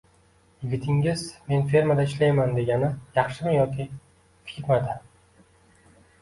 - Yigitingiz "Men fermada ishlayman" degani yaxshimi yoki "firmada"?...